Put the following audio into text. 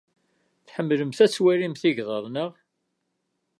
Tḥemmlemt ad twalimt igḍaḍ, naɣ?